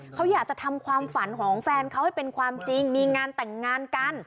เขาอยากจะทำความฝันของแฟนเขาให้เป็นความจริงมีงานแต่งงานกัน